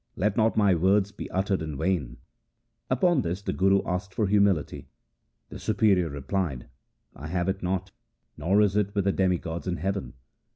Let not my words be uttered in vain.' Upon this the Guru asked for humility. The superior replied, ' I have it not, nor is it with the demigods in heaven.'